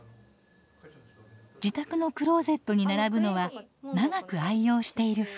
自宅のクローゼットに並ぶのは長く愛用している服。